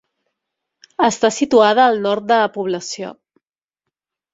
Està situada al nord de la població.